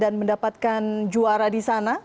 dan mendapatkan juara di sana